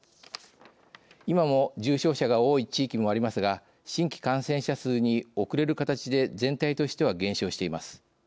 今も重症者が多い地域もありますが新規感染者数に遅れるかたちで全体としては減少しています。